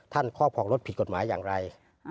ท่านเคราะห์ปากลดผิดกฎหมายอย่างไร